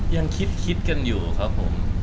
ยังคิดกันอยู่ครับผม